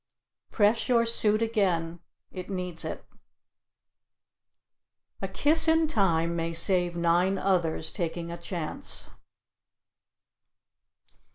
Press your suit again; it needs it. A kiss in time may save nine others taking a chance.